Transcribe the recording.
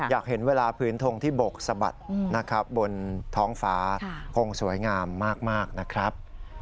อยากเห็นเวลาพื้นทงที่บกสะบัดนะครับบนท้องฟ้าคงสวยงามมากนะครับ